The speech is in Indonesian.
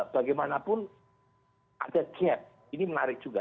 bagaimanapun ada gap ini menarik juga